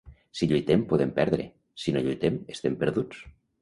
Si lluitem podem perdre, si no lluitem, estem perduts.